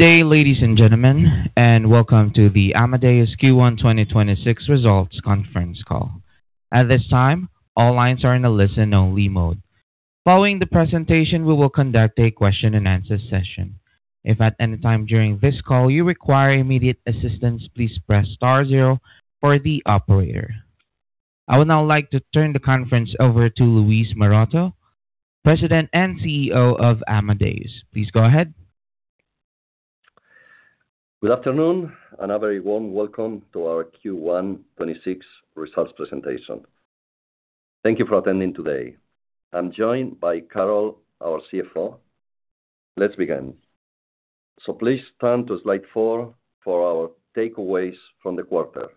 Good day, ladies and gentlemen, and welcome to the Amadeus Q1 2026 results conference call. At this time, all lines are in a listen-only mode. Following the presentation, we will conduct a question-and-answer session. If at any time during this call you require immediate assistance, please press star zero for the operator. I would now like to turn the conference over to Luis Maroto, President and CEO of Amadeus. Please go ahead. Good afternoon, a very warm welcome to our Q1 2026 results presentation. Thank you for attending today. I'm joined by Carol, our CFO. Let's begin. Please turn to slide four for our takeaways from the quarter.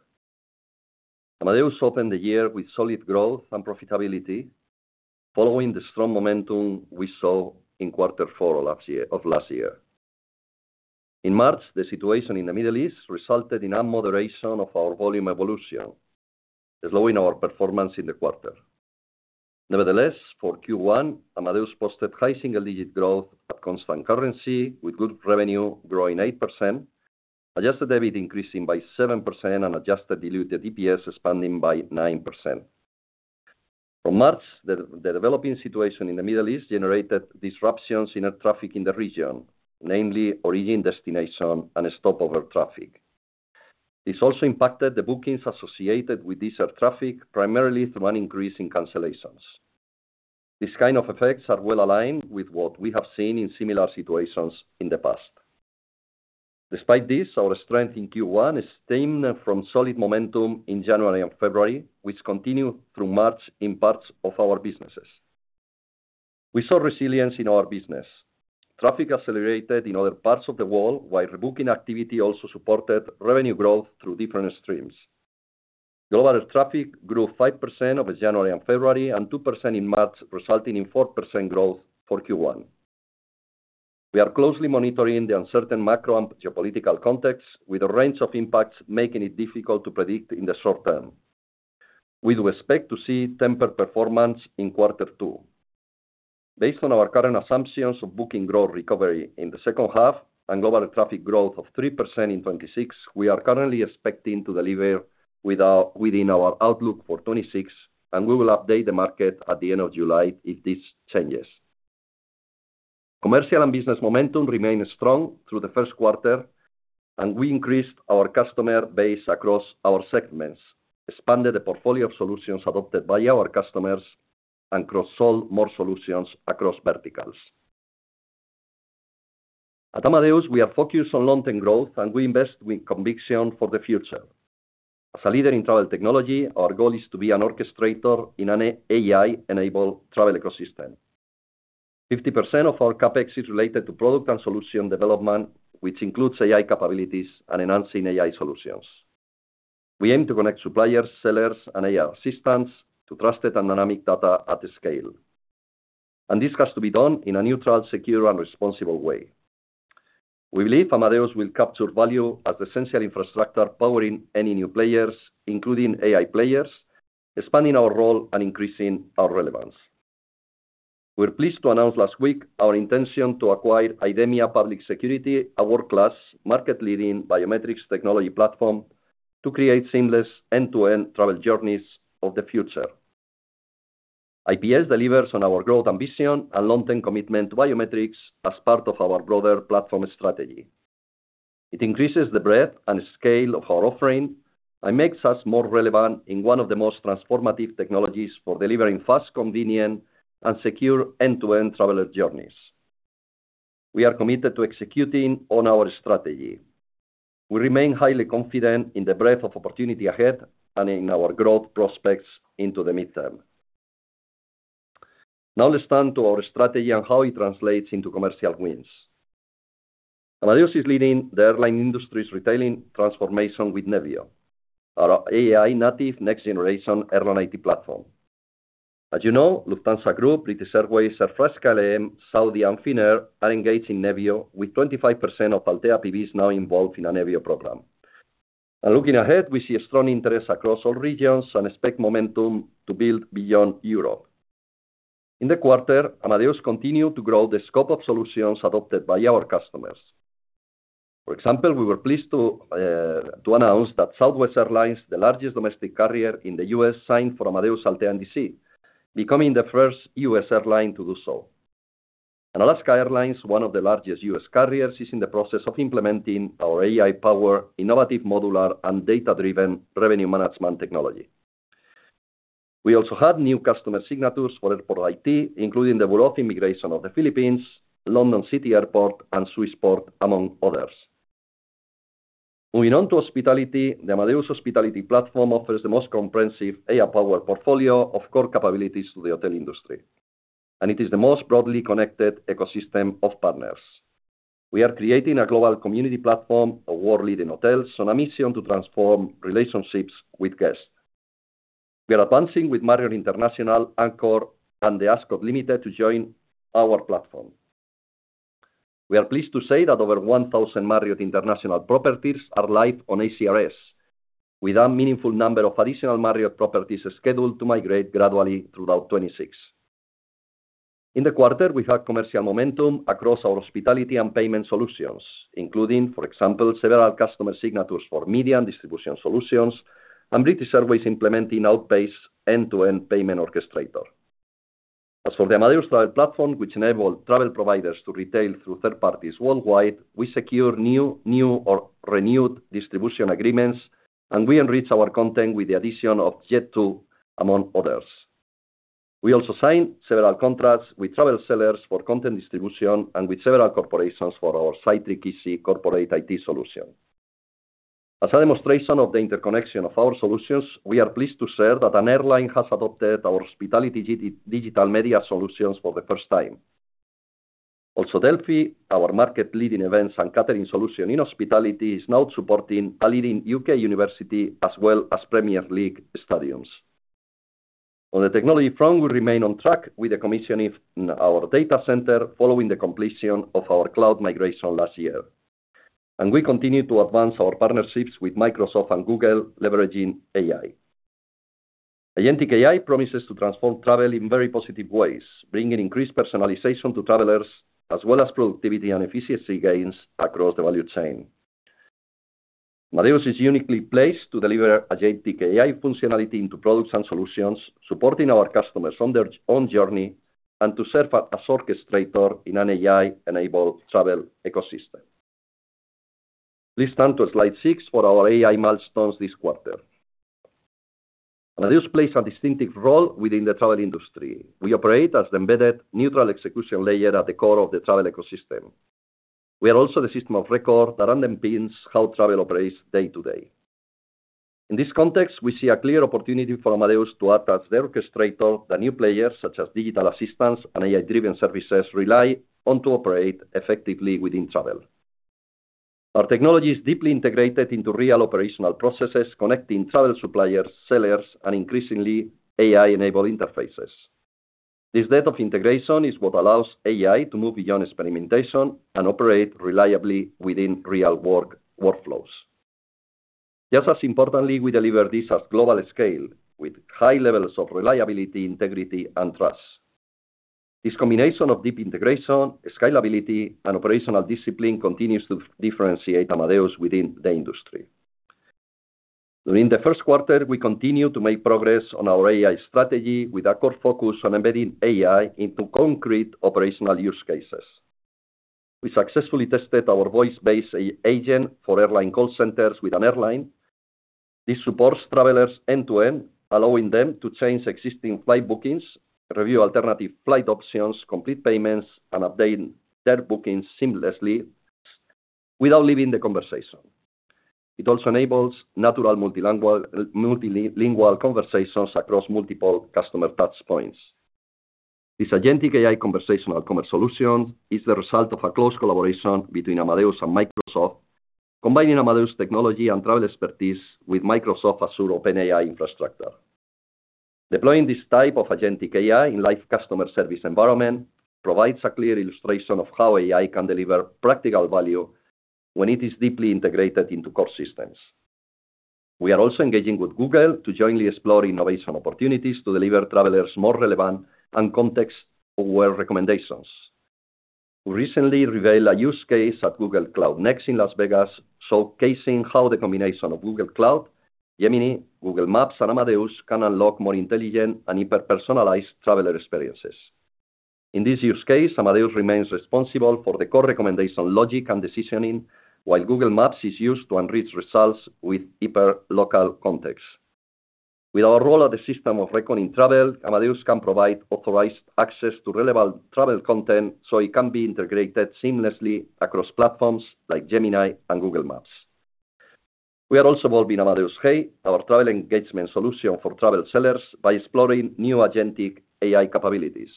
Amadeus opened the year with solid growth and profitability following the strong momentum we saw in Q4 last year. In March, the situation in the Middle East resulted in a moderation of our volume evolution, slowing our performance in the quarter. Nevertheless, for Q1, Amadeus posted high single-digit growth at constant currency with good revenue growing 8%, adjusted EBIT increasing by 7% and adjusted diluted EPS expanding by 9%. From March, the developing situation in the Middle East generated disruptions in air traffic in the region, namely origin, destination, and stopover traffic. This also impacted the bookings associated with this air traffic, primarily through an increase in cancellations. These kind of effects are well-aligned with what we have seen in similar situations in the past. Despite this, our strength in Q1 stemmed from solid momentum in January and February, which continued through March in parts of our businesses. We saw resilience in our business. Traffic accelerated in other parts of the world while rebooking activity also supported revenue growth through different streams. Global air traffic grew 5% over January and February and 2% in March, resulting in 4% growth for Q1. We are closely monitoring the uncertain macro and geopolitical context with a range of impacts, making it difficult to predict in the short term. We do expect to see tempered performance in Q2. Based on our current assumptions of booking growth recovery in the second half and global traffic growth of 3% in 2026, we are currently expecting to deliver within our outlook for 2026, and we will update the market at the end of July if this changes. Commercial and business momentum remained strong through the first quarter, and we increased our customer base across our segments, expanded the portfolio of solutions adopted by our customers, and cross-sold more solutions across verticals. At Amadeus, we are focused on long-term growth. We invest with conviction for the future. As a leader in travel technology, our goal is to be an orchestrator in an AI-enabled travel ecosystem. 50% of our CapEx is related to product and solution development, which includes AI capabilities and enhancing AI solutions. We aim to connect suppliers, sellers, and AI assistants to trusted and dynamic data at scale. This has to be done in a neutral, secure, and responsible way. We believe Amadeus will capture value as essential infrastructure powering any new players, including AI players, expanding our role and increasing our relevance. We're pleased to announce last week our intention to acquire IDEMIA Public Security, a world-class, market-leading biometrics technology platform to create seamless end-to-end travel journeys of the future. IPS delivers on our growth ambition and long-term commitment to biometrics as part of our broader platform strategy. It increases the breadth and scale of our offering and makes us more relevant in one of the most transformative technologies for delivering fast, convenient, and secure end-to-end traveler journeys. We are committed to executing on our strategy. We remain highly confident in the breadth of opportunity ahead and in our growth prospects into the midterm. Let's turn to our strategy and how it translates into commercial wins. Amadeus is leading the airline industry's retailing transformation with Nevio, our AI-native, next-generation airline IT platform. As you know, Lufthansa Group, British Airways, Air France-KLM, Saudia, and Finnair are engaged in Nevio, with 25% of Altéa PBs now involved in a Nevio program. Looking ahead, we see a strong interest across all regions and expect momentum to build beyond Europe. In the quarter, Amadeus continued to grow the scope of solutions adopted by our customers. For example, we were pleased to announce that Southwest Airlines, the largest domestic carrier in the U.S., signed for Amadeus Altéa NDC, becoming the first U.S. airline to do so. Alaska Airlines, one of the largest U.S. carriers, is in the process of implementing our AI-powered, innovative, modular, and data-driven revenue management technology. We also had new customer signatures for Airport IT, including the Bureau of Immigration of the Philippines, London City Airport, and Swissport, among others. Moving on to hospitality, the Amadeus Hospitality platform offers the most comprehensive AI-powered portfolio of core capabilities to the hotel industry, and it is the most broadly connected ecosystem of partners. We are creating a global community platform of world-leading hotels on a mission to transform relationships with guests. We are advancing with Marriott International, Accor, and The Ascott Limited to join our platform. We are pleased to say that over 1,000 Marriott International properties are live on ACRS, with a meaningful number of additional Marriott properties scheduled to migrate gradually throughout 2026. In the quarter, we had commercial momentum across our hospitality and payment solutions, including, for example, several customer signatures for media and distribution solutions and British Airways implementing Outpayce end-to-end payment orchestrator. As for the Amadeus Travel Platform, which enable travel providers to retail through third parties worldwide, we secure new or renewed distribution agreements, and we enrich our content with the addition of Jet2, among others. We also signed several contracts with travel sellers for content distribution and with several corporations for our Cytric Easy corporate IT solution. As a demonstration of the interconnection of our solutions, we are pleased to share that an airline has adopted our hospitality digital media solutions for the first time. Also, Delphi, our market-leading events and catering solution in hospitality, is now supporting a leading U.K. university as well as Premier League stadiums. On the technology front, we remain on track with the commissioning our data center following the completion of our cloud migration last year. We continue to advance our partnerships with Microsoft and Google leveraging AI. agentic AI promises to transform travel in very positive ways, bringing increased personalization to travelers as well as productivity and efficiency gains across the value chain. Amadeus is uniquely placed to deliver agentic AI functionality into products and solutions, supporting our customers on their own journey and to serve as orchestrator in an AI-enabled travel ecosystem. Please turn to slide six for our AI milestones this quarter. Amadeus plays a distinctive role within the travel industry. We operate as the embedded neutral execution layer at the core of the travel ecosystem. We are also the system of record that underpins how travel operates day to day. In this context, we see a clear opportunity for Amadeus to act as the orchestrator, the new players such as digital assistants and AI-driven services rely on to operate effectively within travel. Our technology is deeply integrated into real operational processes, connecting travel suppliers, sellers, and increasingly, AI-enabled interfaces. This depth of integration is what allows AI to move beyond experimentation and operate reliably within real work workflows. Just as importantly, we deliver this at global scale with high levels of reliability, integrity, and trust. This combination of deep integration, scalability, and operational discipline continues to differentiate Amadeus within the industry. During the first quarter, we continue to make progress on our AI strategy with a core focus on embedding AI into concrete operational use cases. We successfully tested our voice-based agent for airline call centers with an airline. This supports travelers end-to-end, allowing them to change existing flight bookings, review alternative flight options, complete payments, and update their bookings seamlessly without leaving the conversation. It also enables natural multilingual conversations across multiple customer touchpoints. This agentic AI conversational commerce solution is the result of a close collaboration between Amadeus and Microsoft, combining Amadeus technology and travel expertise with Microsoft Azure OpenAI infrastructure. Deploying this type of agentic AI in live customer service environment provides a clear illustration of how AI can deliver practical value when it is deeply integrated into core systems. We are also engaging with Google to jointly explore innovation opportunities to deliver travelers more relevant and context-aware recommendations. We recently revealed a use case at Google Cloud Next in Las Vegas, showcasing how the combination of Google Cloud, Gemini, Google Maps, and Amadeus can unlock more intelligent and hyper-personalized traveler experiences. In this use case, Amadeus remains responsible for the core recommendation logic and decisioning, while Google Maps is used to enrich results with hyper-local context. With our role as a system of record in travel, Amadeus can provide authorized access to relevant travel content, so it can be integrated seamlessly across platforms like Gemini and Google Maps. We are also evolving Amadeus Hey!, our travel engagement solution for travel sellers, by exploring new agentic AI capabilities.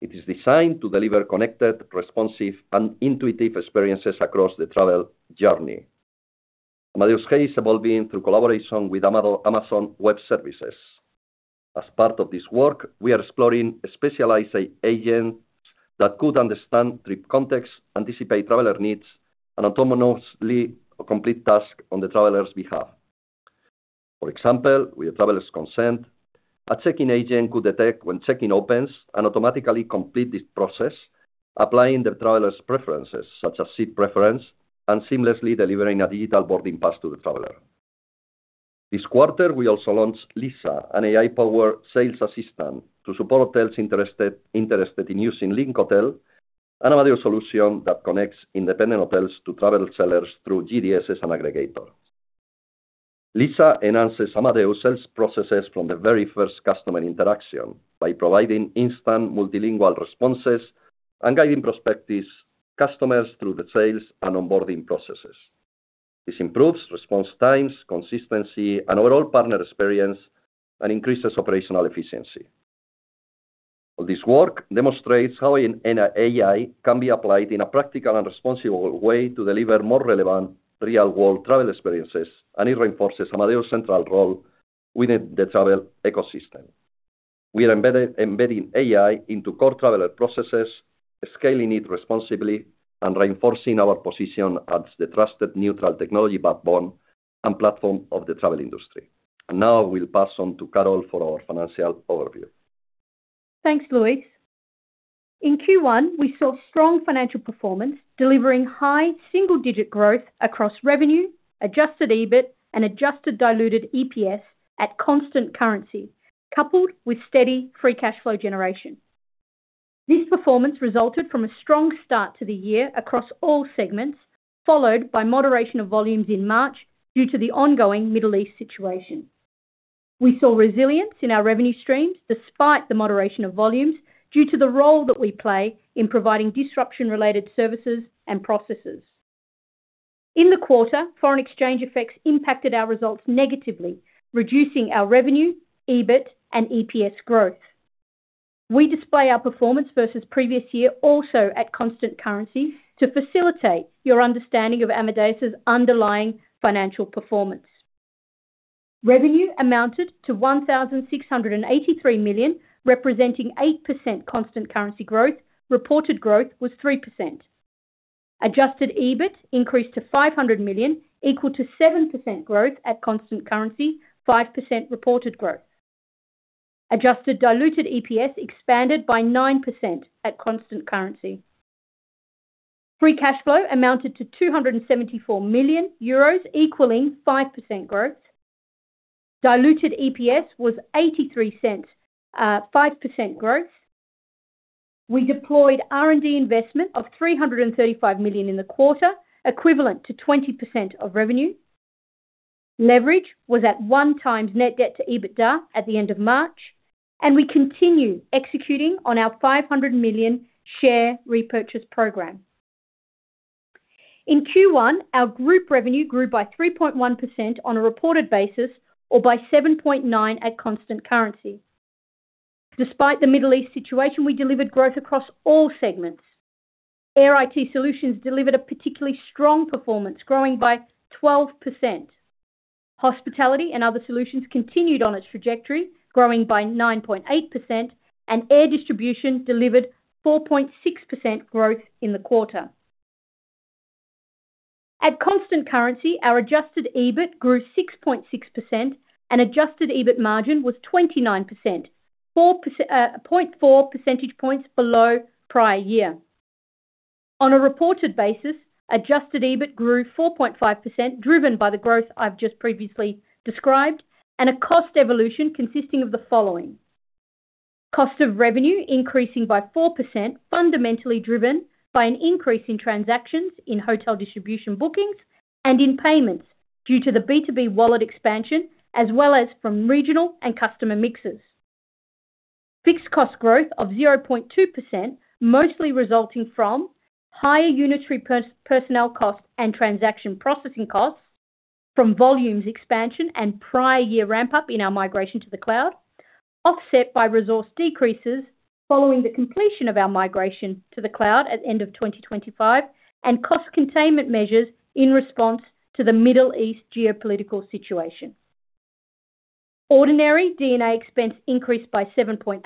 It is designed to deliver connected, responsive, and intuitive experiences across the travel journey. Amadeus Hey! is evolving through collaboration with Amazon Web Services. As part of this work, we are exploring specialized agents that could understand trip context, anticipate traveler needs, and autonomously complete tasks on the traveler's behalf. For example, with a traveler's consent, a check-in agent could detect when check-in opens and automatically complete this process, applying the traveler's preferences, such as seat preference, and seamlessly delivering a digital boarding pass to the traveler. This quarter, we also launched Lisa, an AI-powered sales assistant, to support hotels interested in using LinkHotel, an Amadeus solution that connects independent hotels to travel sellers through GDSs and aggregators. Lisa enhances Amadeus sales processes from the very first customer interaction by providing instant multilingual responses and guiding prospectus customers through the sales and onboarding processes. This improves response times, consistency, and overall partner experience, increases operational efficiency. This work demonstrates how an AI can be applied in a practical and responsible way to deliver more relevant real-world travel experiences, and it reinforces Amadeus' central role within the travel ecosystem. We are embedding AI into core traveler processes. Scaling it responsibly and reinforcing our position as the trusted neutral technology backbone and platform of the travel industry. Now we'll pass on to Carol for our financial overview. Thanks, Luis. In Q1, we saw strong financial performance, delivering high single-digit growth across revenue, adjusted EBIT, and adjusted diluted EPS at constant currency, coupled with steady free cash flow generation. This performance resulted from a strong start to the year across all segments, followed by moderation of volumes in March due to the ongoing Middle East situation. We saw resilience in our revenue streams despite the moderation of volumes, due to the role that we play in providing disruption-related services and processes. In the quarter, foreign exchange effects impacted our results negatively, reducing our revenue, EBIT, and EPS growth. We display our performance versus previous year also at constant currency to facilitate your understanding of Amadeus' underlying financial performance. Revenue amounted to 1,683 million, representing 8% constant currency growth. Reported growth was 3%. Adjusted EBIT increased to 500 million, equal to 7% growth at constant currency, 5% reported growth. Adjusted diluted EPS expanded by 9% at constant currency. Free cash flow amounted to 274 million euros, equaling 5% growth. Diluted EPS was 0.83, 5% growth. We deployed R&D investment of 335 million in the quarter, equivalent to 20% of revenue. Leverage was at 1x net debt to EBITDA at the end of March, and we continue executing on our 500 million share repurchase program. In Q1, our group revenue grew by 3.1% on a reported basis, or by 7.9% at constant currency. Despite the Middle East situation, we delivered growth across all segments. Air IT Solutions delivered a particularly strong performance, growing by 12%. Hospitality and Other Solutions continued on its trajectory, growing by 9.8%, and Air Distribution delivered 4.6% growth in the quarter. At constant currency, our adjusted EBIT grew 6.6% and adjusted EBIT margin was 29%, 0.4 percentage points below prior year. On a reported basis, adjusted EBIT grew 4.5%, driven by the growth I've just previously described and a cost evolution consisting of the following: Cost of revenue increasing by 4%, fundamentally driven by an increase in transactions in hotel distribution bookings and in payments due to the B2B Wallet expansion, as well as from regional and customer mixes. Fixed cost growth of 0.2% mostly resulting from higher unitary personnel costs and transaction processing costs from volumes expansion and prior year ramp up in our migration to the cloud, offset by resource decreases following the completion of our migration to the cloud at end of 2025, and cost containment measures in response to the Middle East geopolitical situation. Ordinary D&A expense increased by 7.8%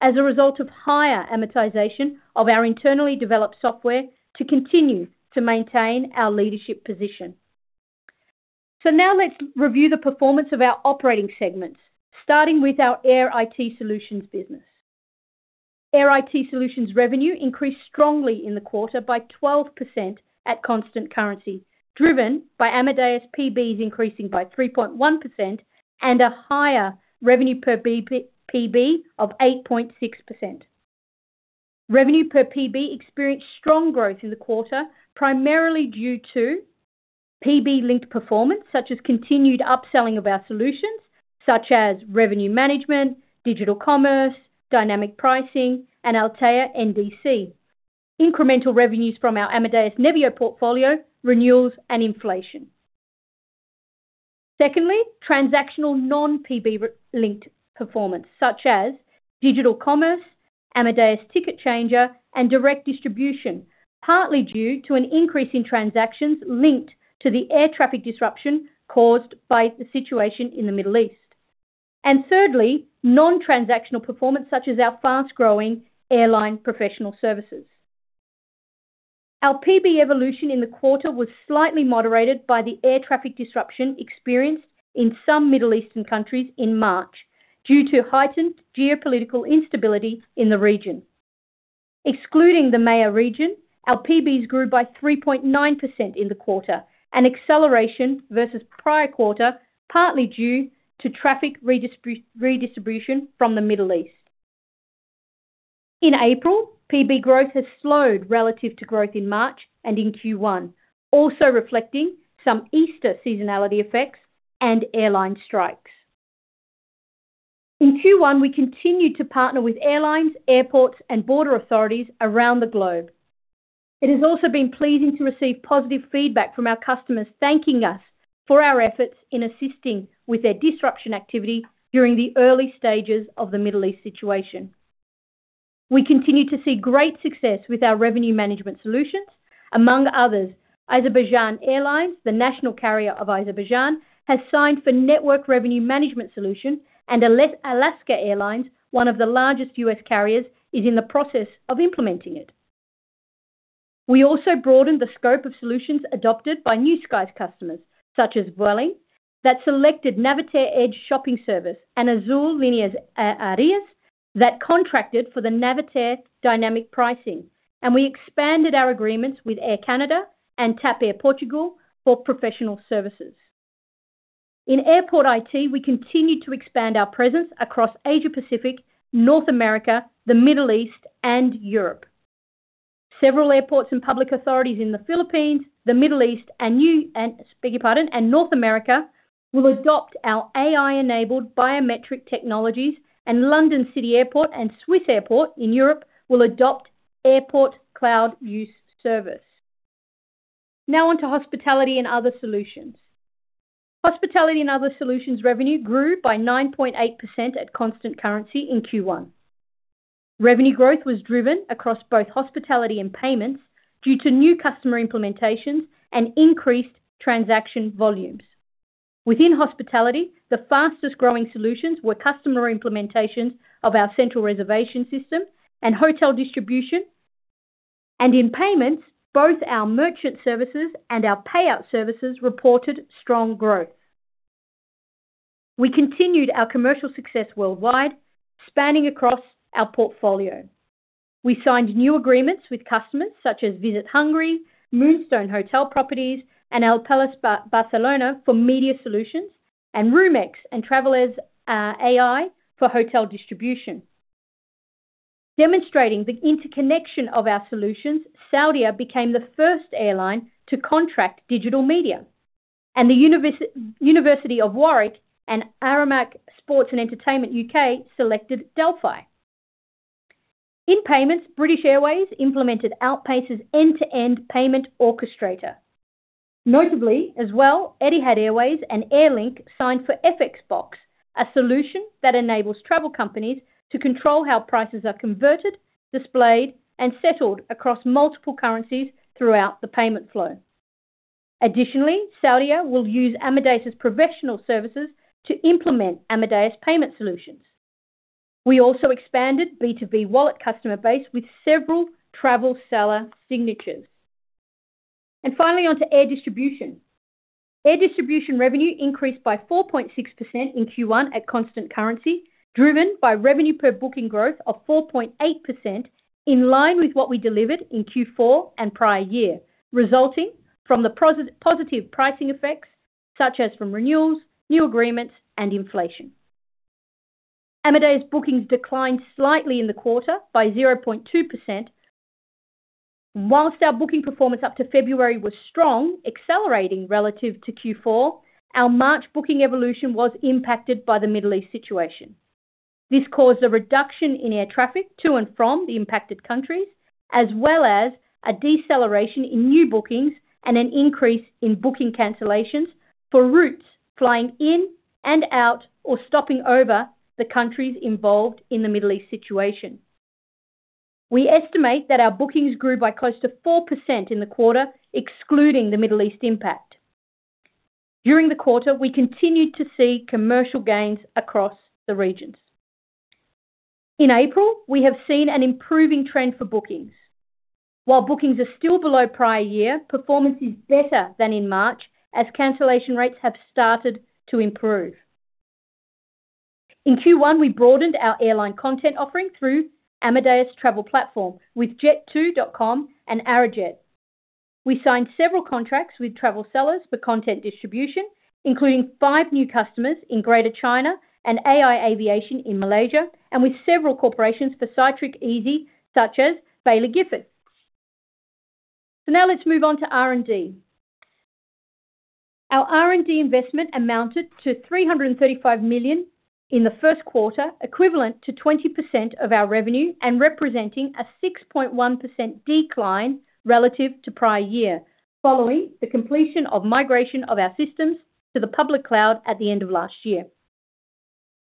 as a result of higher amortization of our internally developed software to continue to maintain our leadership position. Now let's review the performance of our operating segments, starting with our Air IT Solutions business. Air IT Solutions revenue increased strongly in the quarter by 12% at constant currency, driven by Amadeus PBs increasing by 3.1% and a higher revenue per PB of 8.6%. Revenue per PB experienced strong growth in the quarter, primarily due to PB-linked performance, such as continued upselling of our solutions such as revenue management, digital commerce, dynamic pricing, and Altéa NDC. Incremental revenues from our Amadeus Nevio portfolio, renewals, and inflation. Secondly, transactional non-PB re-linked performance such as digital commerce, Amadeus Ticket Changer, and direct distribution, partly due to an increase in transactions linked to the air traffic disruption caused by the situation in the Middle East. Thirdly, non-transactional performance such as our fast-growing airline professional services. Our PB evolution in the quarter was slightly moderated by the air traffic disruption experienced in some Middle Eastern countries in March due to heightened geopolitical instability in the region. Excluding the MEA region, our PBs grew by 3.9% in the quarter, an acceleration versus prior quarter, partly due to traffic redistribution from the Middle East. In April, PB growth has slowed relative to growth in March and in Q1, also reflecting some Easter seasonality effects and airline strikes. In Q1, we continued to partner with airlines, airports, and border authorities around the globe. It has also been pleasing to receive positive feedback from our customers, thanking us for our efforts in assisting with their disruption activity during the early stages of the Middle East situation. We continue to see great success with our revenue management solutions. Among others, Azerbaijan Airlines, the national carrier of Azerbaijan, has signed for network revenue management solution and Alaska Airlines, one of the largest U.S. carriers, is in the process of implementing it. We also broadened the scope of solutions adopted by New Skies customers, such as Vueling, that selected Navitaire Edge Shopping and Azul Linhas Aéreas that contracted for the Navitaire Dynamic Pricing. We expanded our agreements with Air Canada and TAP Air Portugal for professional services. In airport IT, we continued to expand our presence across Asia-Pacific, North America, the Middle East and Europe. Several airports and public authorities in the Philippines, the Middle East and North America will adopt our AI-enabled biometric technologies and London City Airport and Swissport in Europe will adopt Airport Cloud Use Service. Now on to hospitality and other solutions. Hospitality and other solutions revenue grew by 9.8% at constant currency in Q1. Revenue growth was driven across both hospitality and payments due to new customer implementations and increased transaction volumes. Within hospitality, the fastest growing solutions were customer implementations of our Central Reservations System and hotel distribution. In payments, both our merchant services and our payout services reported strong growth. We continued our commercial success worldwide, spanning across our portfolio. We signed new agreements with customers such as Visit Hungary, Moonstone Hotel Properties, and El Palace Barcelona for media solutions, and Roomex and Travelers AI for hotel distribution. Demonstrating the interconnection of our solutions, Saudia became the first airline to contract digital media. The University of Warwick and Aramark Sports & Entertainment U.K. selected Delphi. In payments, British Airways implemented Outpayce's end-to-end payment orchestrator. Notably, as well, Etihad Airways and Airlink signed for FX Box, a solution that enables travel companies to control how prices are converted, displayed, and settled across multiple currencies throughout the payment flow. Additionally, Saudia will use Amadeus Professional Services to implement Amadeus payment solutions. We also expanded B2B Wallet customer base with several travel seller signatures. Finally, on to air distribution. Air distribution revenue increased by 4.6% in Q1 at constant currency, driven by revenue per booking growth of 4.8% in line with what we delivered in Q4 and prior year, resulting from the positive pricing effects such as from renewals, new agreements and inflation. Amadeus bookings declined slightly in the quarter by 0.2%. Whilst our booking performance up to February was strong, accelerating relative to Q4, our March booking evolution was impacted by the Middle East situation. This caused a reduction in air traffic to and from the impacted countries, as well as a deceleration in new bookings and an increase in booking cancellations for routes flying in and out or stopping over the countries involved in the Middle East situation. We estimate that our bookings grew by close to 4% in the quarter, excluding the Middle East impact. During the quarter, we continued to see commercial gains across the regions. In April, we have seen an improving trend for bookings. While bookings are still below prior year, performance is better than in March as cancellation rates have started to improve. In Q1, we broadened our airline content offering through Amadeus Travel Platform with Jet2.com and Arajet. We signed several contracts with travel sellers for content distribution, including five new customers in Greater China and AI Aviation in Malaysia and with several corporations for Cytric Easy such as Baillie Gifford. Now let's move on to R&D. Our R&D investment amounted to 335 million in the first quarter, equivalent to 20% of our revenue and representing a 6.1% decline relative to prior year, following the completion of migration of our systems to the public cloud at the end of last year.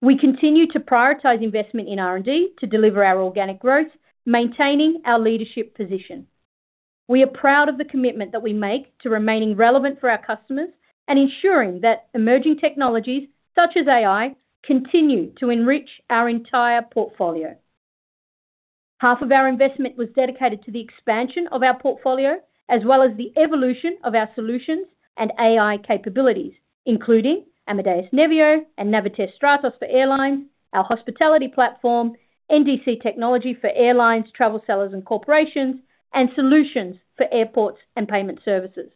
We continue to prioritize investment in R&D to deliver our organic growth, maintaining our leadership position. We are proud of the commitment that we make to remaining relevant for our customers and ensuring that emerging technologies such as AI continue to enrich our entire portfolio. Half of our investment was dedicated to the expansion of our portfolio as well as the evolution of our solutions and AI capabilities, including Amadeus Nevio and Navitaire Stratos for airlines, our hospitality platform, NDC technology for airlines, travel sellers and corporations and solutions for airports and payment services.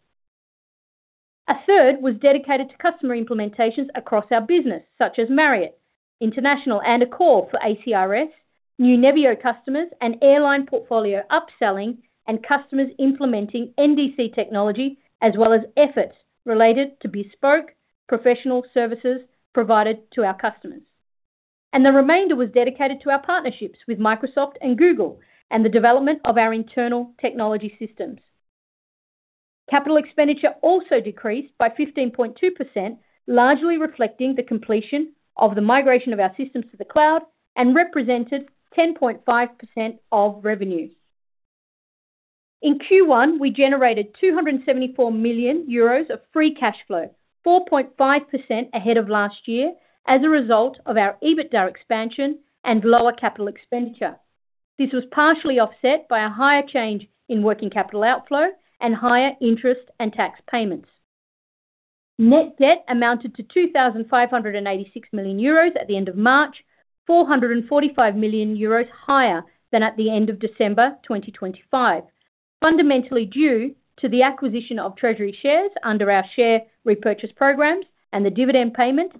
A third was dedicated to customer implementations across our business such as Marriott International and Accor for ACRS, new Nevio customers and airline portfolio upselling and customers implementing NDC technology as well as efforts related to bespoke professional services provided to our customers. The remainder was dedicated to our partnerships with Microsoft and Google and the development of our internal technology systems. Capital expenditure also decreased by 15.2%, largely reflecting the completion of the migration of our systems to the cloud and represented 10.5% of revenue. In Q1, we generated 274 million euros of free cash flow, 4.5 ahead of last year as a result of our EBITDA expansion and lower capital expenditure. This was partially offset by a higher change in working capital outflow and higher interest and tax payments. Net debt amounted to 2,586 million euros at the end of March, 445 million euros higher than at the end of December 2025. Fundamentally due to the acquisition of treasury shares under our share repurchase programs and the dividend payment,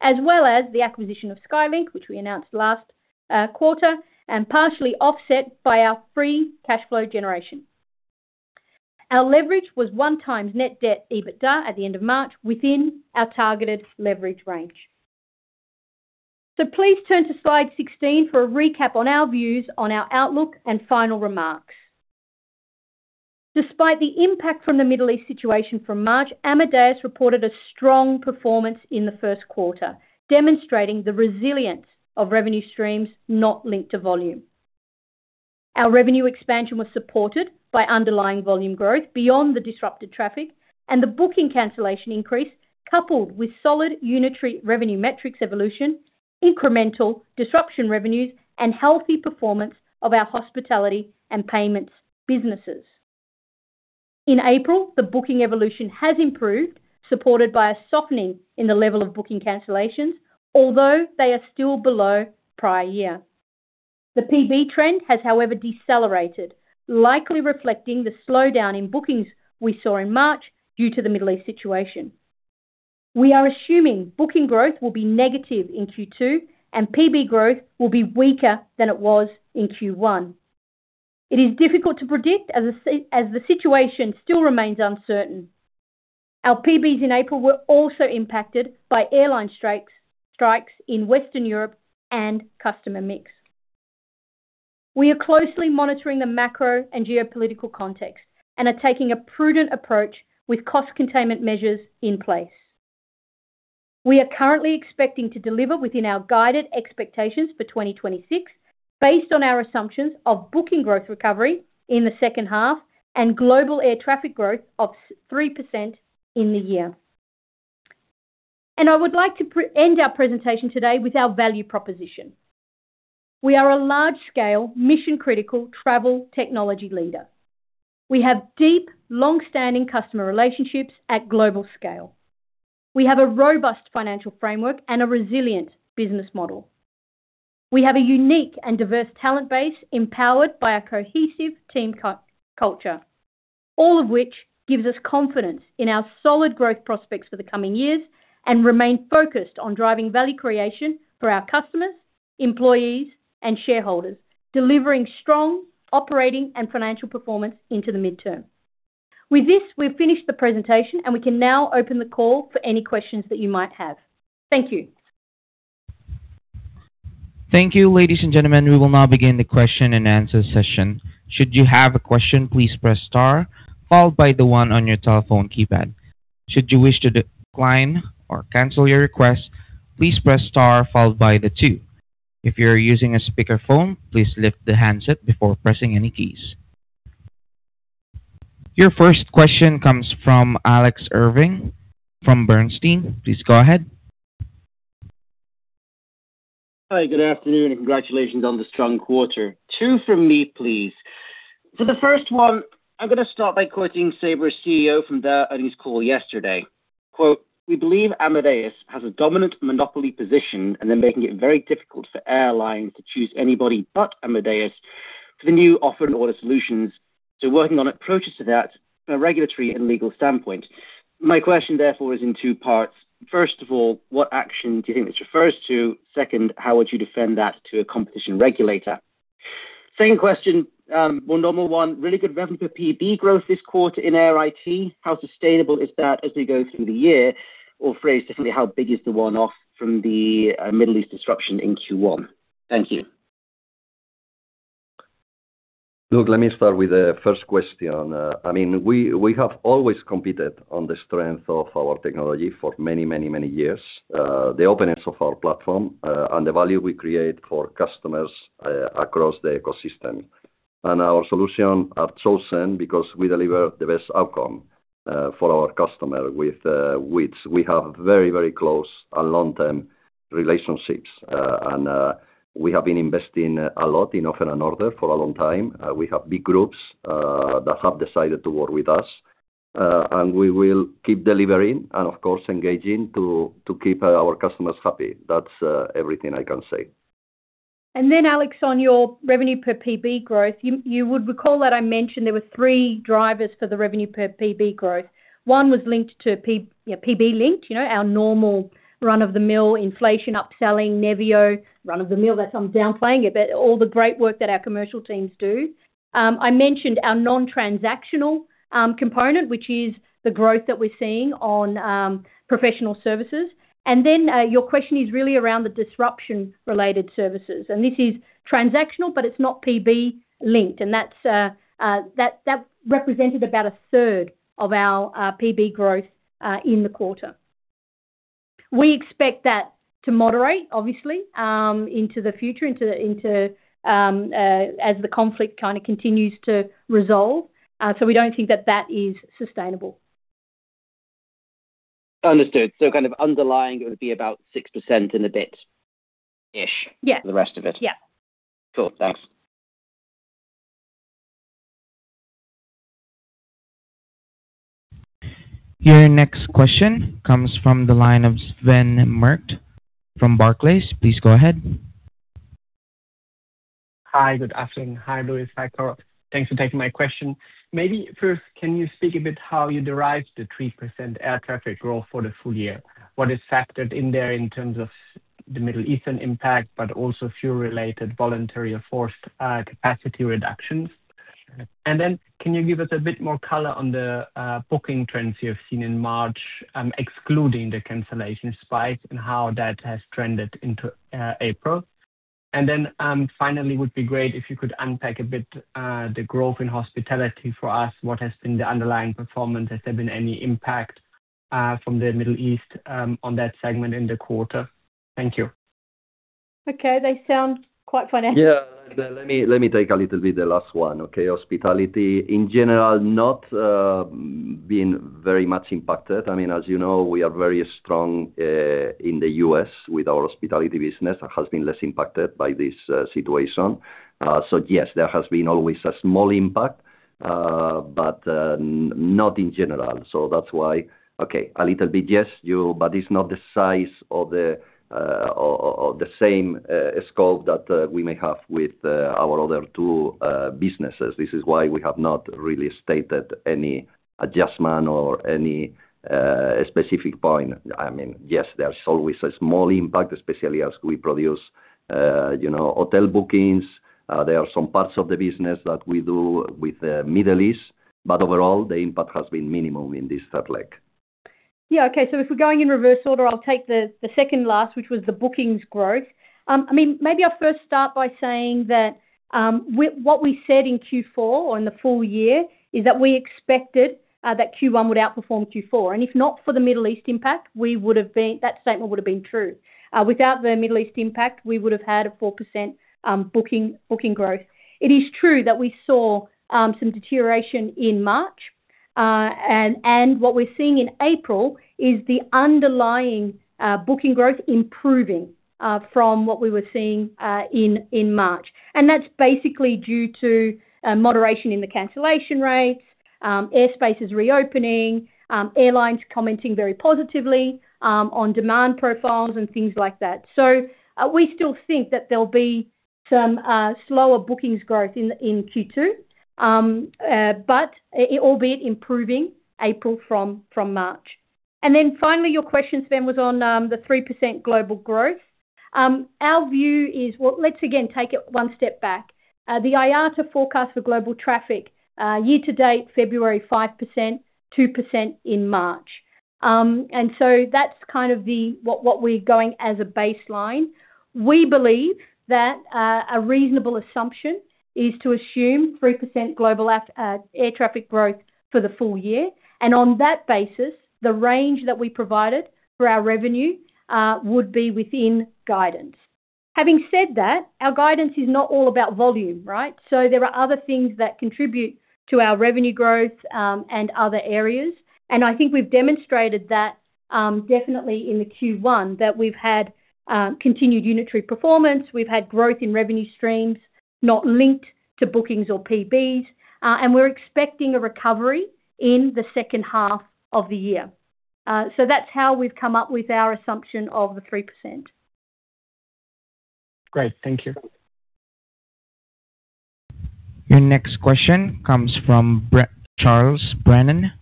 as well as the acquisition of SkyLink, which we announced last quarter, and partially offset by our free cash flow generation. Our leverage was 1x net debt EBITDA at the end of March within our targeted leverage range. Please turn to slide 16 for a recap on our views on our outlook and final remarks. Despite the impact from the Middle East situation from March, Amadeus reported a strong performance in the first quarter, demonstrating the resilience of revenue streams not linked to volume. Our revenue expansion was supported by underlying volume growth beyond the disrupted traffic and the booking cancellation increase, coupled with solid unitary revenue metrics evolution, incremental disruption revenues and healthy performance of our hospitality and payments businesses. In April, the booking evolution has improved, supported by a softening in the level of booking cancellations, although they are still below prior year. The PB trend has, however, decelerated, likely reflecting the slowdown in bookings we saw in March due to the Middle East situation. We are assuming booking growth will be negative in Q2 and PB growth will be weaker than it was in Q1. It is difficult to predict as the situation still remains uncertain. Our PBs in April were also impacted by airline strikes in Western Europe and customer mix. We are closely monitoring the macro and geopolitical context and are taking a prudent approach with cost containment measures in place. We are currently expecting to deliver within our guided expectations for 2026 based on our assumptions of booking growth recovery in the second half and global air traffic growth of 3% in the year. I would like to end our presentation today with our value proposition. We are a large-scale mission-critical travel technology leader. We have deep, long-standing customer relationships at global scale. We have a robust financial framework and a resilient business model. We have a unique and diverse talent base empowered by a cohesive team culture. All of which gives us confidence in our solid growth prospects for the coming years and remain focused on driving value creation for our customers, employees and shareholders, delivering strong operating and financial performance into the midterm. With this, we've finished the presentation and we can now open the call for any questions that you might have. Thank you. Thank you ladies and gentlemen we will now begin the question-and-answer session. Should you have a question please press star followed by the one on your telephone keypad should you wish to decline or cancel your request please press star followed by the two if your using a speaker phone please lift the handset before pressing any keys. Your first question comes from Alex Irving from Bernstein. Please go ahead. Hi, good afternoon. Congratulations on the strong quarter. Two from me, please. For the first one, I'm going to start by quoting Sabre's CEO from their earnings call yesterday. Quote, "We believe Amadeus has a dominant monopoly position and they're making it very difficult for airlines to choose anybody but Amadeus for the new offer and order solutions. Working on approaches to that from a regulatory and legal standpoint." My question therefore is in two parts. First of all, what action do you think this refers to? Second, how would you defend that to a competition regulator? Second question, one normal one. Really good revenue per PB growth this quarter in Air IT. How sustainable is that as we go through the year? Phrased differently, how big is the one-off from the Middle East disruption in Q1? Thank you. Look, let me start with the first question. I mean, we have always competed on the strength of our technology for many years. The openness of our platform, and the value we create for customers, across the ecosystem. Our solution are chosen because we deliver the best outcome for our customer with which we have very close and long-term relationships. We have been investing a lot in offer and order for a long time. We have big groups that have decided to work with us, and we will keep delivering and of course engaging to keep our customers happy. That's everything I can say. Alex, on your revenue per PB growth, you would recall that I mentioned there were three drivers for the revenue per PB growth. One was linked to you know, PB linked, you know, our normal run-of-the-mill inflation upselling Nevio. Run-of-the-mill, that's I'm downplaying it, but all the great work that our commercial teams do. I mentioned our non-transactional component, which is the growth that we're seeing on professional services. Your question is really around the disruption-related services. This is transactional, but it's not PB linked. That represented about a third of our PB growth in the quarter. We expect that to moderate obviously, into the future, into the, into as the conflict kind of continues to resolve. We don't think that that is sustainable. Understood. kind of underlying it would be about 6% and a bit. Yeah for the rest of it. Yeah. Cool. Thanks. Your next question comes from the line of Sven Merkt from Barclays. Please go ahead. Hi. Good afternoon. Hi, Luis. Hi, Carol. Thanks for taking my question. Maybe first can you speak a bit how you derived the 3% air traffic growth for the full year? What is factored in there in terms of the Middle Eastern impact, but also fuel-related voluntary or forced capacity reductions? Can you give us a bit more color on the booking trends you've seen in March, excluding the cancellation spike and how that has trended into April? Finally, it would be great if you could unpack a bit the growth in hospitality for us. What has been the underlying performance? Has there been any impact from the Middle East on that segment in the quarter? Thank you. Okay. They sound quite funny. Let me take a little bit the last one. Hospitality in general, not been very much impacted. I mean, as you know, we are very strong in the U.S. with our hospitality business. It has been less impacted by this situation. Yes, there has been always a small impact, but not in general. That's why. A little bit, yes, but it's not the size or the same scope that we may have with our other two businesses. This is why we have not really stated any adjustment or any specific point. I mean, yes, there's always a small impact, especially as we produce, you know, hotel bookings. There are some parts of the business that we do with the Middle East, but overall the impact has been minimum in this third leg. Yeah. Okay. If we're going in reverse order, I'll take the second last, which was the bookings growth. Maybe I'll first start by saying that with what we said in Q4 or in the full year is that we expected that Q1 would outperform Q4. If not for the Middle East impact, that statement would've been true. Without the Middle East impact, we would have had a 4% booking growth. It is true that we saw some deterioration in March. What we're seeing in April is the underlying booking growth improving from what we were seeing in March. That's basically due to moderation in the cancellation rates, air spaces reopening, airlines commenting very positively on demand profiles and things like that. We still think that there'll be some slower bookings growth in Q2. Albeit improving April from March. Finally, your question, Sven, was on the 3% global growth. Our view is, well, let's again take it one step back. The IATA forecast for global traffic year to date February 5%, 2% in March. That's kind of the what we're going as a baseline. We believe that a reasonable assumption is to assume 3% global air traffic growth for the full year. On that basis, the range that we provided for our revenue would be within guidance. Having said that, our guidance is not all about volume, right? There are other things that contribute to our revenue growth, and other areas, and I think we've demonstrated that, definitely in the Q1, that we've had continued unitary performance. We've had growth in revenue streams not linked to bookings or PBs. We're expecting a recovery in the second half of the year. That's how we've come up with our assumption of the 3%. Great. Thank you. Your next question comes from Charles Brennan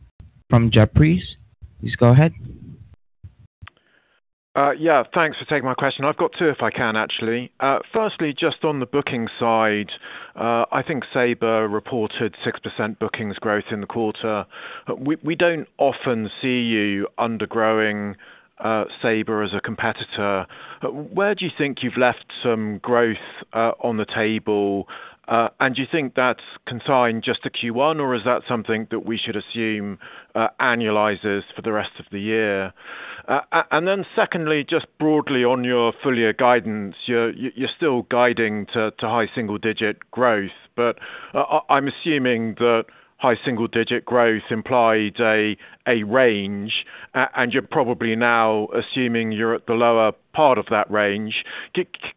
from Jefferies. Please go ahead. Yeah. Thanks for taking my question. I've got two if I can, actually. Firstly, just on the booking side, I think Sabre reported 6% bookings growth in the quarter. We don't often see you undergrowing, Sabre as a competitor. Where do you think you've left some growth on the table? And do you think that can sign just the Q1 or is that's something we should assume annualizes for the rest of the year. Secondly, just broadly on your full year guidance. You're still guiding to high single-digit growth, but I'm assuming that high single-digit growth implied a range, and you're probably now assuming you're at the lower part of that range.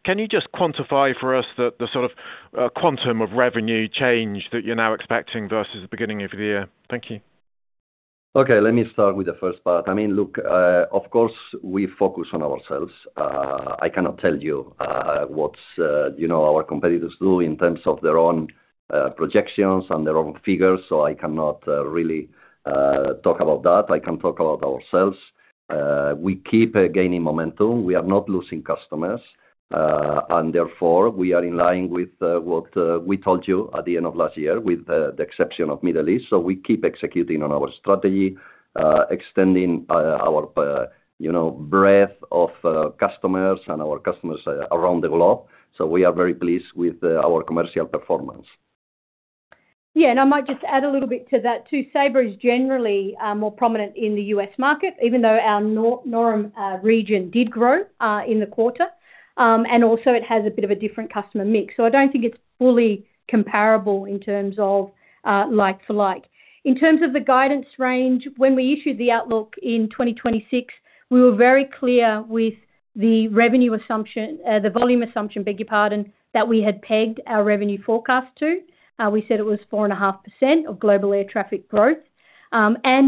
Can you just quantify for us the sort of, quantum of revenue change that you're now expecting versus the beginning of the year? Thank you. Let me start with the first part. I mean, look, of course, we focus on ourselves. I cannot tell you what's, you know, our competitors do in terms of their own projections and their own figures. I cannot really talk about that. I can talk about ourselves. We keep gaining momentum. We are not losing customers. Therefore, we are in line with what we told you at the end of last year, with the exception of Middle East. We keep executing on our strategy, extending our, you know, breadth of customers and our customers around the globe. We are very pleased with our commercial performance. I might just add a little bit to that too. Sabre is generally more prominent in the U.S. market, even though our NORAM region did grow in the quarter. It also has a bit of a different customer mix. I don't think it's fully comparable in terms of like for like. In terms of the guidance range, when we issued the outlook in 2026, we were very clear with the revenue assumption, the volume assumption, beg your pardon, that we had pegged our revenue forecast to. We said it was 4.5% of global air traffic growth.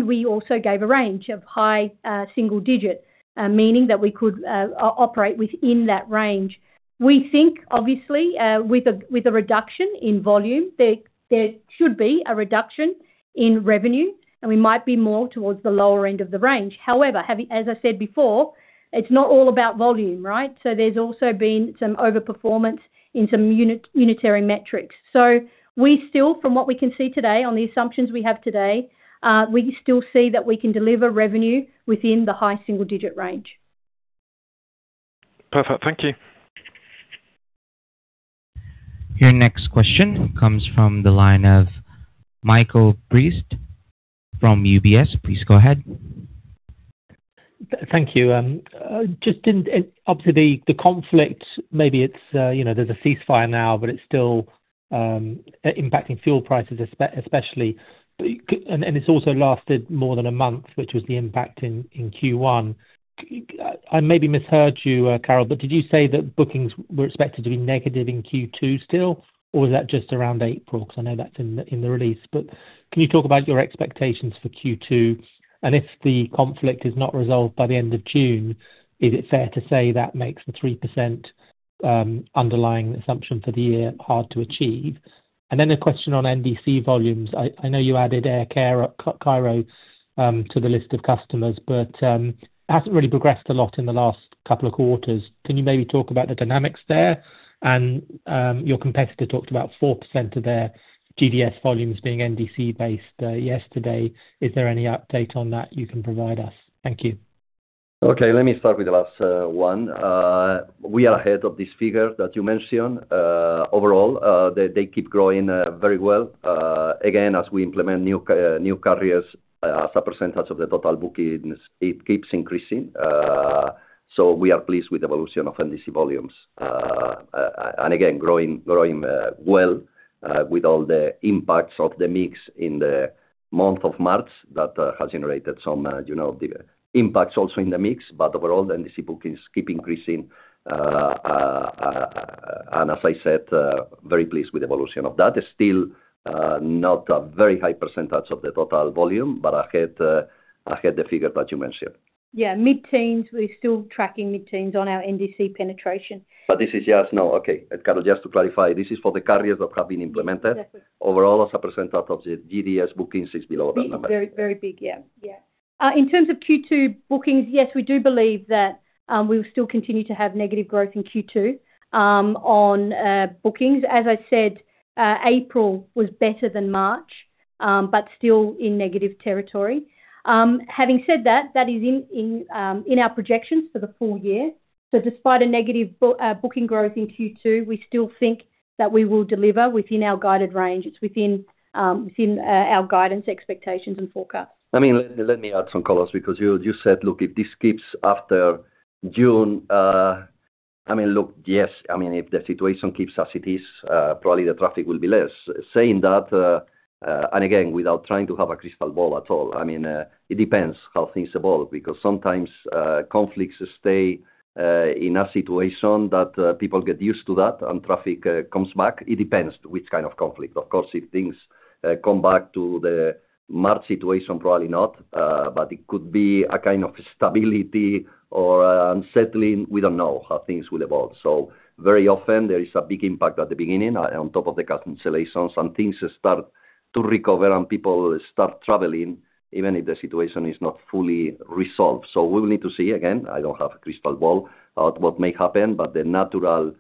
We also gave a range of high single-digit, meaning that we could operate within that range. We think obviously, with a reduction in volume, there should be a reduction in revenue, and we might be more towards the lower end of the range. However, having as I said before, it's not all about volume, right? There's also been some over-performance in some uni-unitary metrics. We still, from what we can see today on the assumptions we have today, we still see that we can deliver revenue within the high single-digit range. Perfect. Thank you. Your next question comes from the line of Michael Briest from UBS. Please go ahead. Thank you. Just in, obviously the conflict, maybe it's, you know, there's a ceasefire now, but it's still impacting fuel prices especially. And it's also lasted more than a month, which was the impact in Q1. I maybe misheard you, Carol, but did you say that bookings were expected to be negative in Q2 still, or was that just around April? 'Cause I know that's in the release. Can you talk about your expectations for Q2? If the conflict is not resolved by the end of June, is it fair to say that makes the 3% underlying assumption for the year hard to achieve? A question on NDC volumes. I know you added Air Cairo to the list of customers, but it hasn't really progressed a lot in the last couple of quarters. Can you maybe talk about the dynamics there? Your competitor talked about 4% of their GDS volumes being NDC-based yesterday. Is there any update on that you can provide us? Thank you. Okay, let me start with the last one. We are ahead of this figure that you mentioned. Overall, they keep growing very well. Again, as we implement new carriers, as a percent of the total bookings, it keeps increasing. We are pleased with evolution of NDC volumes. And again, growing well, with all the impacts of the mix in the month of March that has generated some, you know, the impacts also in the mix. Overall, the NDC bookings keep increasing. As I said, very pleased with the evolution of that. It's still not a very high percent of the total volume, but ahead the figure that you mentioned. Yeah, mid-teens. We're still tracking mid-teens on our NDC penetration. Okay, Carol, just to clarify, this is for the carriers that have been implemented. Yes. Overall, as a percent of the GDS bookings is below that number. Very, very big. Yeah. Yeah. In terms of Q2 bookings, yes, we do believe that we will still continue to have negative growth in Q2 on bookings. As I said, April was better than March, but still in negative territory. Having said that is in our projections for the full year. Despite a negative booking growth in Q2, we still think that we will deliver within our guided range. It's within our guidance expectations and forecasts. I mean, let me add some colors because you said, look, if this keeps after June, I mean, look, yes. I mean, if the situation keeps as it is, probably the traffic will be less. Saying that, again, without trying to have a crystal ball at all, I mean, it depends how things evolve because sometimes conflicts stay in a situation that people get used to that and traffic comes back. It depends which kind of conflict. Of course, if things come back to the March situation, probably not. It could be a kind of stability or unsettling. We don't know how things will evolve. Very often there is a big impact at the beginning on top of the cancellations and things start to recover and people start traveling even if the situation is not fully resolved. We will need to see. Again, I don't have a crystal ball of what may happen, but the natural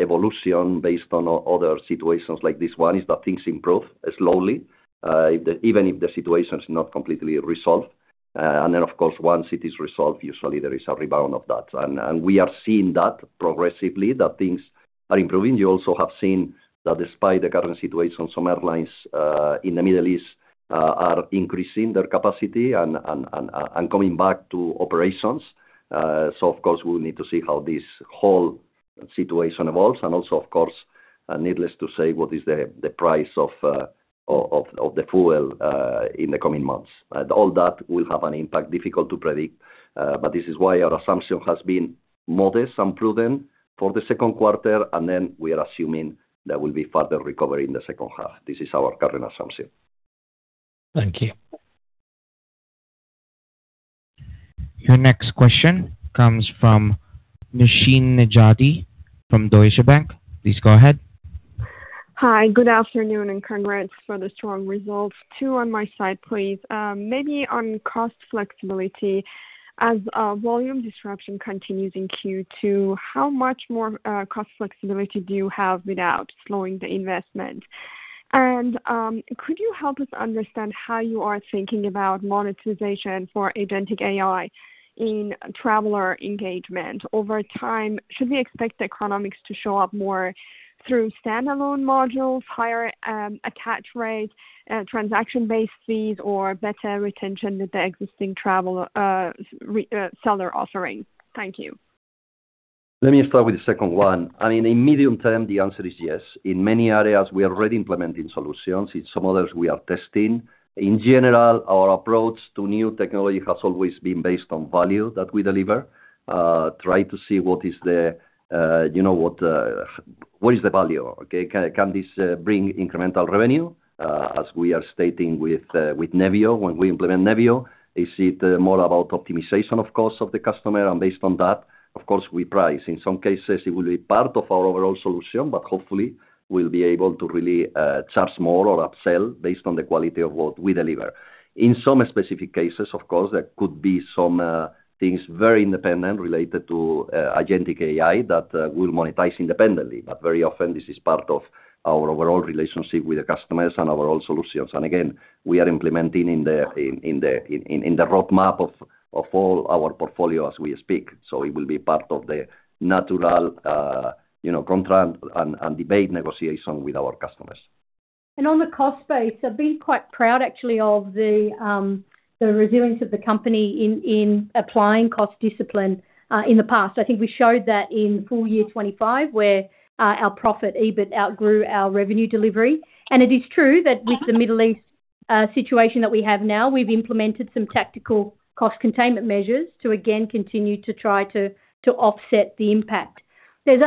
evolution based on other situations like this one is that things improve slowly, even if the situation is not completely resolved. Then of course once it is resolved, usually there is a rebound of that. We are seeing that progressively, that things are improving. You also have seen that despite the current situation, some airlines in the Middle East are increasing their capacity and coming back to operations. Of course, we'll need to see how this whole situation evolves and also of course, needless to say, what is the price of the fuel in the coming months. All that will have an impact difficult to predict, but this is why our assumption has been modest and prudent for the second quarter, and then we are assuming there will be further recovery in the second half. This is our current assumption. Thank you. Your next question comes from Nooshin Nejati from Deutsche Bank. Please go ahead. Hi, good afternoon and congrats for the strong results. Two on my side, please. Maybe on cost flexibility. As volume disruption continues in Q2, how much more cost flexibility do you have without slowing the investment? Could you help us understand how you are thinking about monetization for agentic AI in traveler engagement over time? Should we expect economics to show up more through standalone modules, higher attach rate, transaction-based fees, or better retention with the existing travel seller offerings. Thank you. Let me start with the second one. I mean, in medium term, the answer is yes. In many areas, we are already implementing solutions. In some others, we are testing. In general, our approach to new technology has always been based on value that we deliver. Try to see what is the, you know, what is the value, okay. Can this bring incremental revenue, as we are stating with Nevio when we implement Nevio? Is it more about optimization of cost of the customer? Based on that, of course, we price. In some cases, it will be part of our overall solution, but hopefully we'll be able to really charge more or upsell based on the quality of what we deliver. In some specific cases, of course, there could be some, things very independent related to agentic AI that we'll monetize independently. But very often this is part of our overall relationship with the customers and our overall solutions. And again, we are implementing in the roadmap of all our portfolio as we speak. So it will be part of the natural, you know, contract and debate negotiation with our customers. On the cost base, I've been quite proud actually of the resilience of the company in applying cost discipline in the past. I think we showed that in full year 2025, where our profit EBIT outgrew our revenue delivery. It is true that with the Middle East situation that we have now, we've implemented some tactical cost containment measures to again continue to try to offset the impact. There's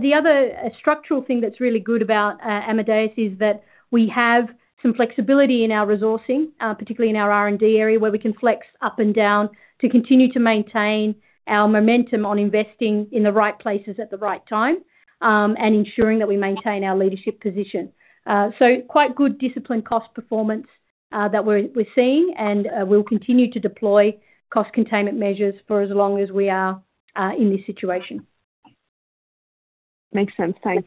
the other structural thing that's really good about Amadeus is that we have some flexibility in our resourcing, particularly in our R&D area, where we can flex up and down to continue to maintain our momentum on investing in the right places at the right time, and ensuring that we maintain our leadership position. Quite good discipline cost performance that we're seeing, and we'll continue to deploy cost containment measures for as long as we are in this situation. Makes sense. Thanks.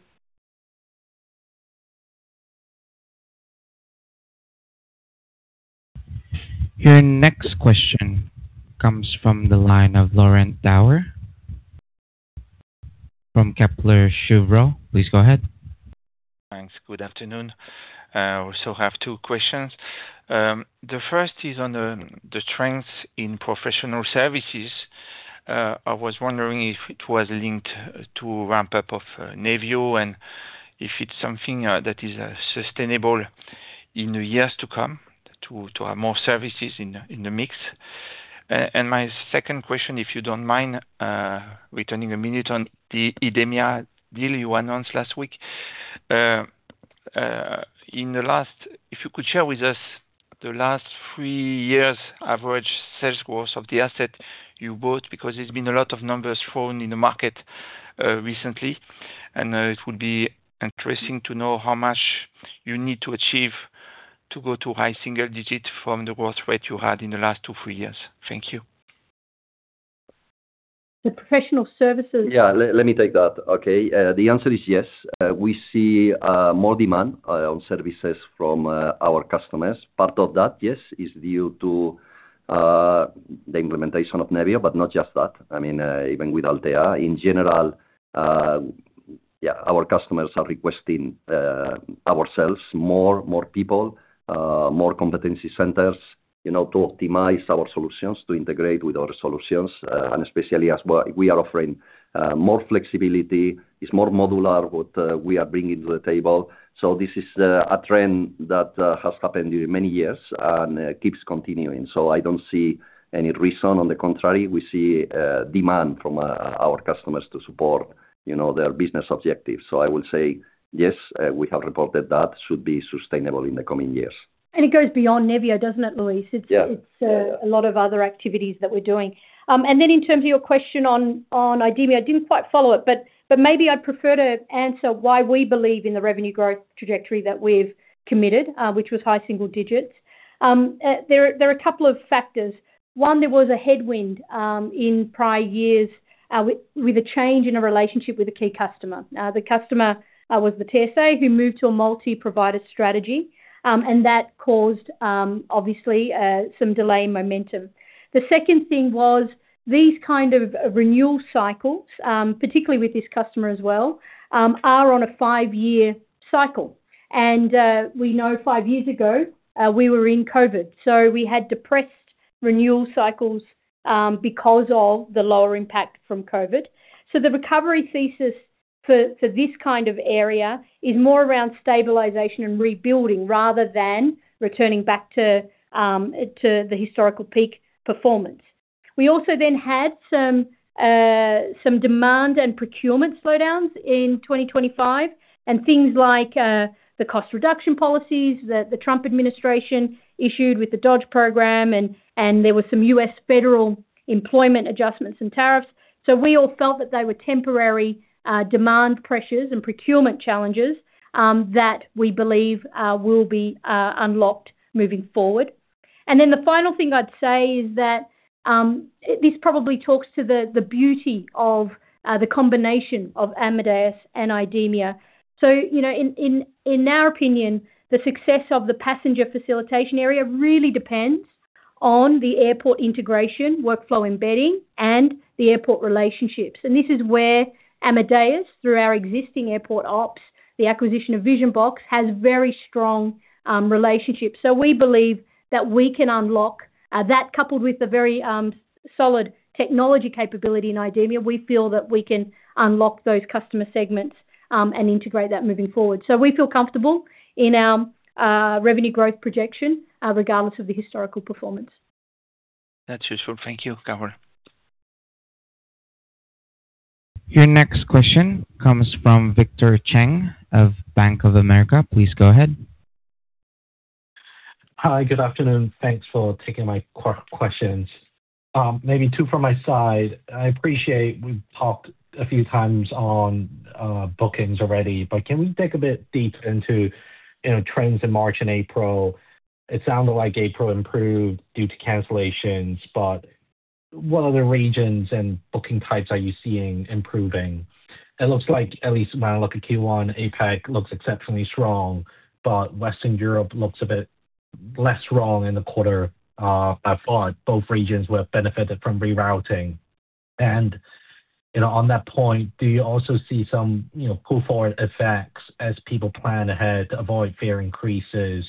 Your next question comes from the line of Laurent Daure from Kepler Cheuvreux. Please go ahead. Thanks. Good afternoon. I also have two questions. The first is on the strengths in professional services. I was wondering if it was linked to ramp-up of Nevio and if it's something that is sustainable in the years to come to have more services in the mix. My second question, if you don't mind, returning a minute on the IDEMIA deal you announced last week. In the last If you could share with us the last three years' average sales growth of the asset you bought, because there's been a lot of numbers thrown in the market recently. It would be interesting to know how much you need to achieve to go to high single-digits from the growth rate you had in the last two, three years. Thank you. The professional services- Yeah. Let me take that, okay. The answer is yes. We see more demand on services from our customers. Part of that, yes, is due to the implementation of Nevio, but not just that. I mean, even with Altéa, in general, our customers are requesting ourselves more, more people, more competency centers, you know, to optimize our solutions, to integrate with our solutions. Especially as well, we are offering more flexibility. It's more modular what we are bringing to the table. This is a trend that has happened during many years and keeps continuing. I don't see any reason. On the contrary, we see demand from our customers to support, you know, their business objectives. I will say yes, we have reported that should be sustainable in the coming years. It goes beyond Nevio, doesn't it, Luis? Yeah. Yeah, yeah. It's a lot of other activities that we're doing. In terms of your question on IDEMIA, I didn't quite follow it, but maybe I'd prefer to answer why we believe in the revenue growth trajectory that we've committed, which was high single-digits. There are a couple of factors. One, there was a headwind in prior years with a change in a relationship with a key customer. The customer was the TSA, who moved to a multi-provider strategy. That caused obviously some delay in momentum. The second thing was these kind of renewal cycles, particularly with this customer as well, are on a five-year cycle. We know five years ago, we were in COVID, so we had depressed renewal cycles because of the lower impact from COVID. The recovery thesis for this kind of area is more around stabilization and rebuilding rather than returning back to the historical peak performance. We also then had some demand and procurement slowdowns in 2025, and things like the cost reduction policies that the Trump administration issued with the DOGE program, there were some U.S. federal employment adjustments and tariffs. We all felt that they were temporary demand pressures and procurement challenges that we believe will be unlocked moving forward. The final thing I'd say is that this probably talks to the beauty of the combination of Amadeus and IDEMIA. You know, in our opinion, the success of the passenger facilitation area really depends on the airport integration workflow embedding and the airport relationships. This is where Amadeus, through our existing airport ops, the acquisition of Vision-Box, has very strong relationships. We believe that we can unlock that coupled with the very solid technology capability in IDEMIA. We feel that we can unlock those customer segments and integrate that moving forward. We feel comfortable in our revenue growth projection regardless of the historical performance. That's useful. Thank you, Carol. Your next question comes from Victor Cheng of Bank of America. Please go ahead. Hi. Good afternoon. Thanks for taking my questions. Maybe two from my side. I appreciate we've talked a few times on bookings already. Can we dig a bit deep into, you know, trends in March and April? It sounded like April improved due to cancellations, but what other regions and booking types are you seeing improving? It looks like at least when I look at Q1, APAC looks exceptionally strong, but Western Europe looks a bit less strong in the quarter. I thought both regions were benefited from rerouting. On that point, do you also see some, you know, pull-forward effects as people plan ahead to avoid fare increases?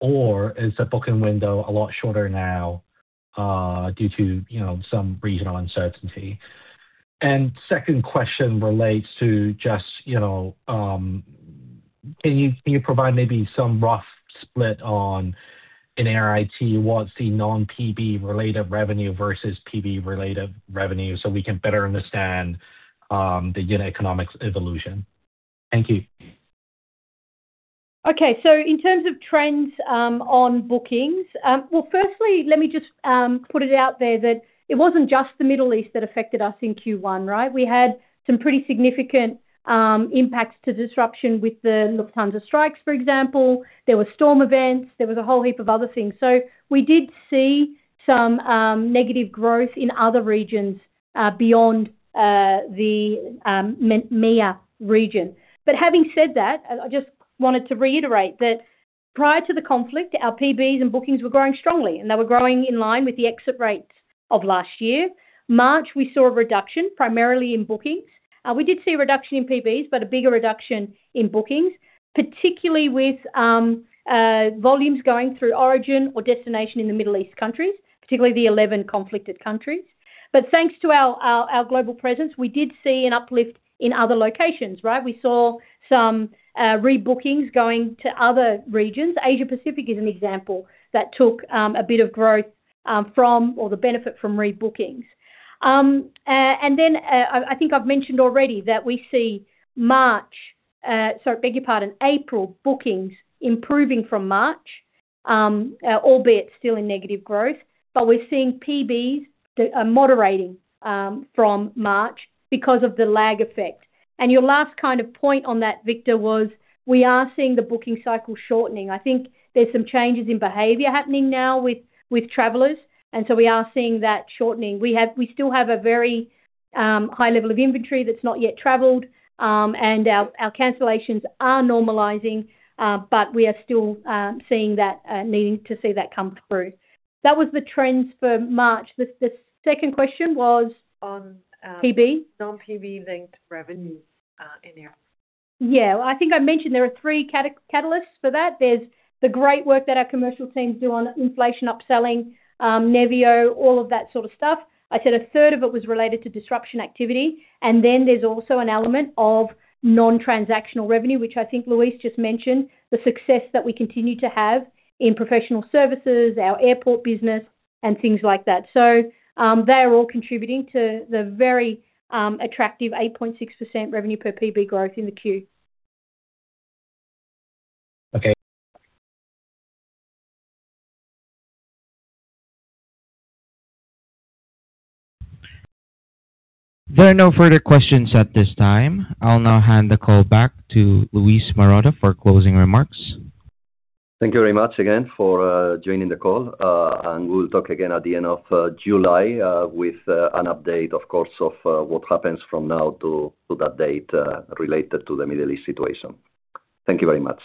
Or is the booking window a lot shorter now, due to, you know, some regional uncertainty? Second question relates to just, you know, can you provide maybe some rough split on in Air IT, what's the non-PB related revenue versus PB related revenue so we can better understand the unit economics evolution? Thank you. Okay. In terms of trends, on bookings, firstly, let me just put it out there that it wasn't just the Middle East that affected us in Q1, right? We had some pretty significant impacts to disruption with the Lufthansa strikes, for example. There were storm events. There was a whole heap of other things. We did see some negative growth in other regions, beyond the M-MEA region. Having said that, I just wanted to reiterate that prior to the conflict, our PBs and bookings were growing strongly, and they were growing in line with the exit rates of last year. March, we saw a reduction primarily in bookings. We did see a reduction in PBs, but a bigger reduction in bookings, particularly with volumes going through origin or destination in the Middle East countries, particularly the 11 conflicted countries. Thanks to our global presence, we did see an uplift in other locations, right? We saw some rebookings going to other regions. Asia-Pacific is an example that took a bit of growth from or the benefit from rebookings. I think I've mentioned already that we see March Sorry, beg your pardon, April bookings improving from March, albeit still in negative growth. We're seeing PBs that are moderating from March because of the lag effect. Your last kind of point on that, Victor, was we are seeing the booking cycle shortening. I think there's some changes in behavior happening now with travelers, and so we are seeing that shortening. We still have a very high level of inventory that's not yet traveled, and our cancellations are normalizing, but we are still seeing that needing to see that come through. That was the trends for March. The second question was on. PB. Non-PB linked revenue, in there. Yeah. I think I mentioned there are three catalysts for that. There's the great work that our commercial teams do on inflation upselling, Nevio, all of that sort of stuff. I said a third of it was related to disruption activity. There's also an element of non-transactional revenue, which I think Luis just mentioned, the success that we continue to have in Professional Services, our Airport Business, and things like that. They're all contributing to the very attractive 8.6% revenue per PB growth in the Q. Okay. There are no further questions at this time. I'll now hand the call back to Luis Maroto for closing remarks. Thank you very much again for joining the call. We'll talk again at the end of July with an update, of course, of what happens from now to that date related to the Middle East situation. Thank you very much.